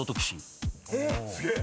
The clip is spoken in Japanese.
すげえ！